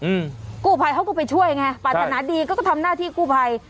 อืมกู้ภัยเขาก็ไปช่วยไงปรารถนาดีก็ก็ทำหน้าที่กู้ภัย